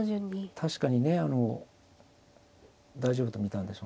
確かにね大丈夫と見たんでしょうね。